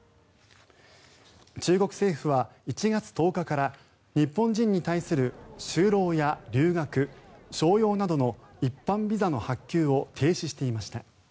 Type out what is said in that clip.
中国政府は、１月１０日から日本人に対する就労や留学、商用などの一般ビザの発給を停止していました。